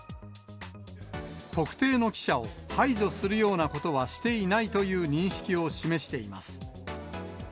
特定の記者を排除するようなことはしていないという認識を示しています。